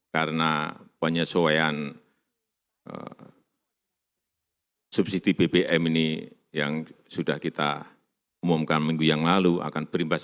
karena penyesuaian subsidi bbm ini yang sudah kita umumkan minggu yang lalu akan berimbas